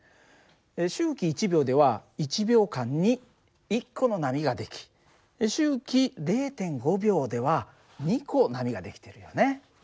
周期１秒では１秒間に１個の波が出来周期０．５秒では２個波が出来てるよね。